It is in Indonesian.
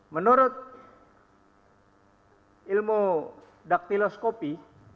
menurut ilmu daktiloskopi